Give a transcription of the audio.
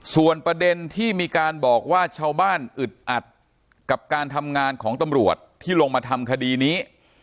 ส่วนประเด็นที่มีการบอกว่าชาวบ้านอึดอัดกับการทำงานของตำรวจที่ลงมาทำคดีนี้